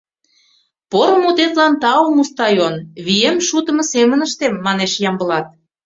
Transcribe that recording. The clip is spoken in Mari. — Поро мутетлан тау, Мустай он, вием шутымо семын ыштем, — манеш Ямблат.